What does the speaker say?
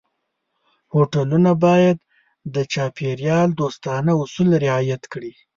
هوټلونه باید د چاپېریال دوستانه اصول رعایت کړي.